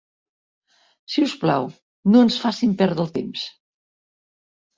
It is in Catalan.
Si us plau, no ens facin perdre el temps.